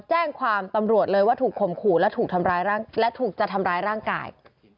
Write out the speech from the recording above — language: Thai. แจ้งความตำรวจเลยว่าถูกข่มขู่และถูกจะทำร้ายร่างกาย